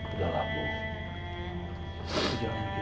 aku harus mencari encuna